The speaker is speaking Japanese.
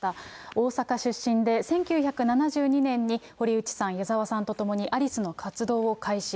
大阪出身で、１９７２年に堀内さん、矢沢さんと共にアリスの活動を開始。